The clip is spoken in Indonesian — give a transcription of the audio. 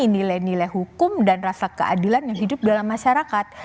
dan nilai nilai hukum dan rasa keadilan yang hidup dalam masyarakat